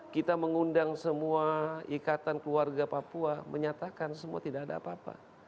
kita mengundang semua ikatan keluarga papua menyatakan semua tidak ada apa apa